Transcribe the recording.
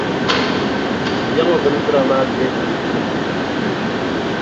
Yaŋɔ bindira maa dii bi lu n-ti ma.